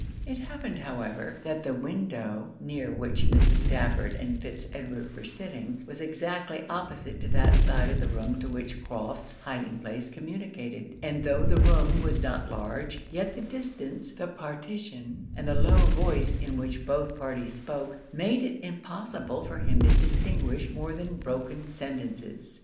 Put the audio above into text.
It happened, however, that the window near which Mrs. Stafford and Fitz Edward were sitting was exactly opposite to that side of the room to which Crofts' hiding place communicated; and tho' the room was not large, yet the distance, the partition, and the low voice in which both parties spoke, made it impossible for him to distinguish more than broken sentences.